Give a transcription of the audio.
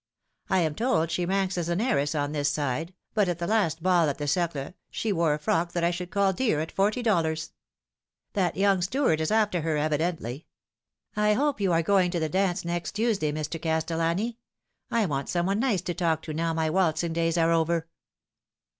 I am told she ranks as an heiress on this side, but at the last ball at the Cercle she wore a frock that I should call dear at forty dollars. That young Stuart is after her, evidently. I hope you are going to the dance next Tuesday, Mr. Castellani ? I want some one nice to talk to now my waltzing days are over."